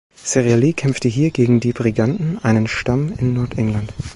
Cerialis kämpfte hier gegen die Briganten, einen Stamm in Nordengland.